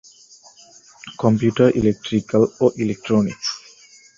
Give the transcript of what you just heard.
Computer, electrical ও electronics.